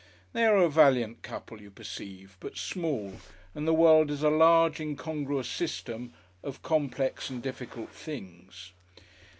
They are a valiant couple, you perceive, but small, and the world is a large incongruous system of complex and difficult things.